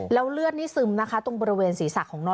แล้วเลือดนี้ซึมตรงบริเวณสี่สักของนอน